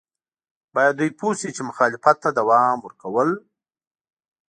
باید دوی پوه شي چې مخالفت ته دوام ورکول.